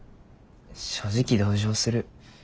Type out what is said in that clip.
正直同情する。